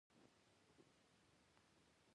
ښځه شریکه ښه ده نه تجارت د شراکت ستونزې بیانوي